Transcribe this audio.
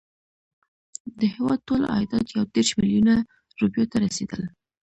د هیواد ټول عایدات یو دېرش میلیونه روپیو ته رسېدل.